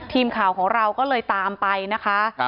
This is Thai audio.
ทีมข่าวของเราก็เลยตามไปนะคะ